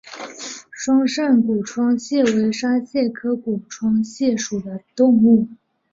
双扇股窗蟹为沙蟹科股窗蟹属的动物。